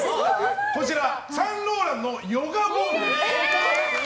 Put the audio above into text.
こちら、サンローランのヨガボールです。